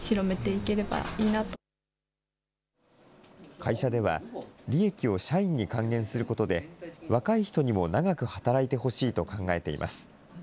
会社では、利益を社員に還元することで、若い人にも長く働いてほしいと考えています。